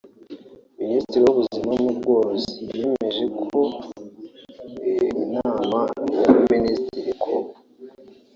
c) Minisitiri w’Ubuhinzi n’Ubworozi yamenyesheje Inama y’Abaminisitiri ko